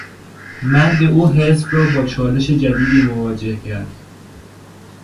مرگ او حزب را با چالش جدیدی مواجه کرد.